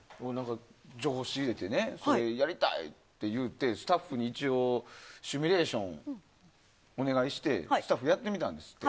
情報を仕入れてやりたいって言うてスタッフに一応シミュレーションをお願いしてやってみたんですって。